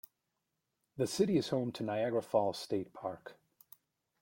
The city is home to the Niagara Falls State Park.